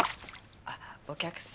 あっお客様